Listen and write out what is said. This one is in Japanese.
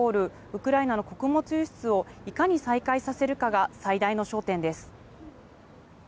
ウクライナの穀物輸出をいかに再開させるかが最大の焦点です。